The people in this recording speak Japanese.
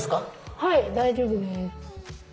はい大丈夫です。